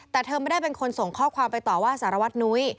แต่เธอไม่ได้เป็นคนส่งข้อความไปต่อว่าสารวัตรนุ้ย